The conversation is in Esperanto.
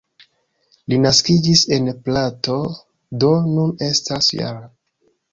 Li naskiĝis en Prato, do nun estas -jara.